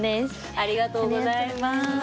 ありがとうございます。